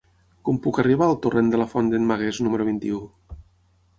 Com puc arribar al torrent de la Font d'en Magués número vint-i-u?